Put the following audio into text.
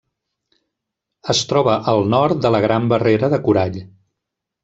Es troba al nord de la Gran Barrera de Corall.